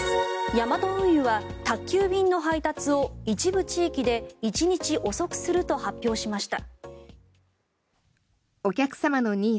ヤマト運輸は宅急便の配達を一部地域で１日遅くすると発表しました。